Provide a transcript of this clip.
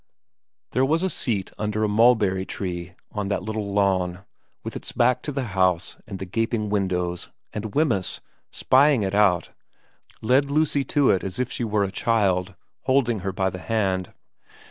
n THERE was a seat under a mulberry tree on the little lawn, with its back to the house and the gaping windows, and Wemyss, spying it out, led Lucy to it as if she were a child, holding her by the hand.